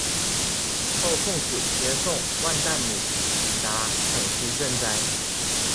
后奉旨输送万石米抵达陕西赈灾。